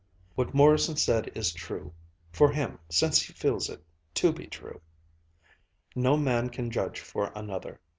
"What Morrison said is true for him, since he feels it to be true. No man can judge for another.